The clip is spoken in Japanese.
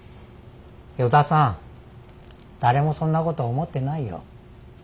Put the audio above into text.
依田さん誰もそんなこと思ってないよ。